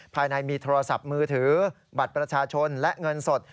ภายในมีโทรศัพท์มือถือบัตรประชาชนและเงินสด